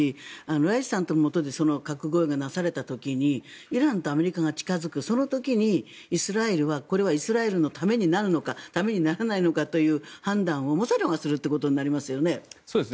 ライシ師さんとの間で核合意がなされた時イランとアメリカが近付く時にイスラエルはこれはイスラエルのためになるのかためにならないのかという判断をモサドがするということになりますよね。